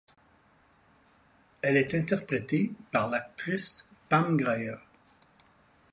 Elle est interprétée par l'actrice Pam Grier.